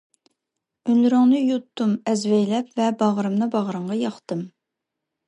ئۈنلىرىڭنى يۇتتۇم ئەزۋەيلەپ ۋە باغرىمنى باغرىڭغا ياقتىم.